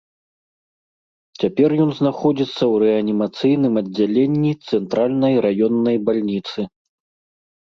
Цяпер ён знаходзіцца ў рэанімацыйным аддзяленні цэнтральнай раённай бальніцы.